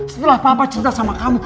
setelah papa cerita sama kamu